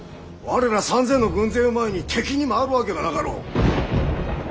我ら３，０００の軍勢を前に敵に回るわけがなかろう。